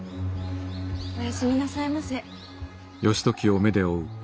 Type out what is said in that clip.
おやすみなさいませ。